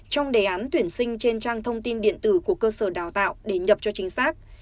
trong đề án tuyển sinh trên trang thông tin điện tử của cơ sở đào tạo để nhập cho chính xác